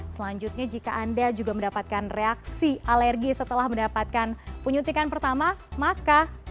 selanjutnya jika anda juga mendapatkan reaksi alergi setelah mendapatkan penyuntikan pertama maka untuk dosis tahap kedua ini anda tidak diberikan